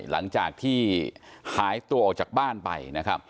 หลังจากที่หายตัวออกจากบ้านไป